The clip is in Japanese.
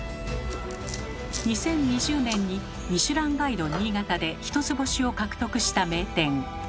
２０２０年に「ミシュランガイド新潟」で一つ星を獲得した名店。